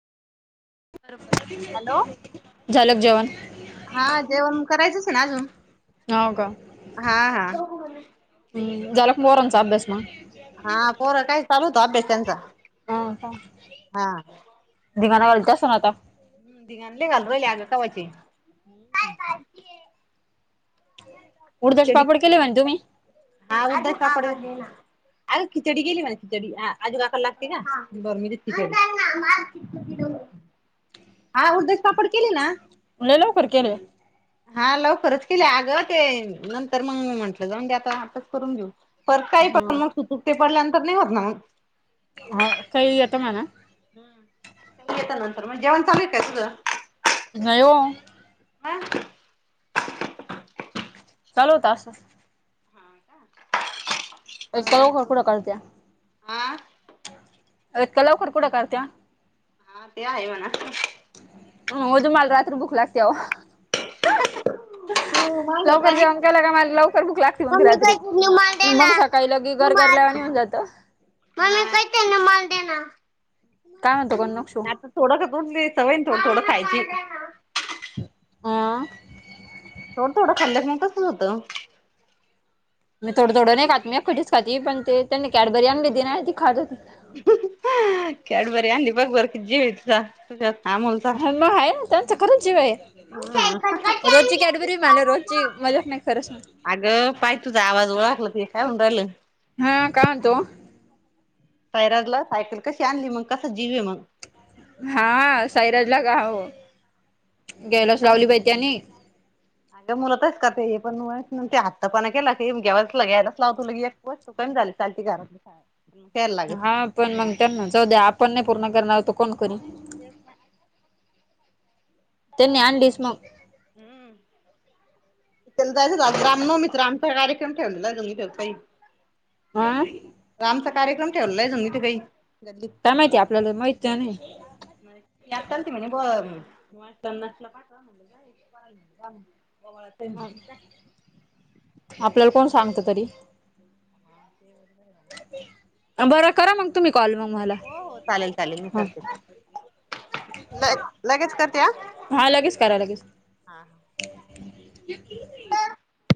Hello झालंक जेवान? हां जेवन,,, करायचंच ना अजून. हो का,, हा हा हं, झालका पोरांचा आब्यास मग? हां पोरं काय चालू होतो अभ्यास त्यांचा,, हां. दिघांना [unintelligible] आता दिंघांना लय घालू रायले अगं कवाचे. [inaudible] [inaudible] उडदाचे पापड केले म्हणे तुमी? हां उडदाचे पापड ले ना. आग खिचडी गेली खिचडी,, हां, आजूकाका ला लागती ना,, हां बर मी देते करून हां उलदाचे पापड केले ना? लय लवकर केले. हां लवकरच केले अगं ते, नंतर मंग म्हंटलं जाऊं दे आता, आताच करून घेऊ. परत काही हं. पडल्यानंतर नाही होत ना मंग, आवाज ताई येतं ना. हं येता नंतर म जेवण चालूय काय सगळं. नाय ओ. [unintelligible] चालु होता. [inaudible] इतक्या लवकर वाटलं कुड करत्या, हा इतक्या लवकर कुड करत्यां. हां ते आहे म्हना. हं [unintelligible] रात्री भुक लागत्या ओ [unintelligible] माझ्या लवकर काय जेवण केलं का मला लवकर भुक लागती मंग मम्मी रात्री. कहते रुमाल दे मंग सक काहीला गी गर गरल्या वानी होउन जातं. [inaudible] काय म्हणतो गं नक्षू? थोडंस दुध [unintelligible] सवयन थोडं थोडं खायची. हां. थोड थोडं खाल्लं की मंग तसंच होतं. मी थोडं थोडं नई खात, मी [unintelligible] खाती पण ते त्यांनी कॅडबरी आणली ना ती खातं होती. कॅडबरी आणली बग बरं कित जीवये तिचा. त्यात अमावास्या. हां म हाय ना त्यांचा खरंच जीव ये. रोची कॅडबरी माला रोची मजाक नाही खरंच सांग. आगं पाय तुझ आवाज ओळखला काय होऊन राहिलं. हां काय अंतो. सैराज ला सायकल कशी आणली मंग कसा जीवे मंग. हां सायराजला [unintelligible] ग्यायलाच लावली बाई त्यांनी. [inaudible] मुलंतच करते हे पण मु ते हत्त पणा केला क गेग्यायलाच लाव तु ली एक तू काही झालील घर. [inaudible] काय. हा पण मग त्यांना जाऊ द्या, आपण नाही करणार तर कोण करणार. ते. त्यांनी आणलीस मग. हम्म. चलय ला राम नोमित राम तगायेम ठलातही. [inaudible] हं. [unintelligible] आमचा कार्यक्रम ठेवलाय [unintelligible] काही. काय माहितीय आपल्याला माहती आहे नाही. आल त म्ह ब पाठ म्ह [inaudible] पळ. [inaudible] आपल्याला कोण सांगत तरी. ते वगैर. बरं करा मग तुम्ही कॉल मग मला हो हो चालेल चालेल मी ह. करते ल लगेच करते या. हा लगेच करा लगेच.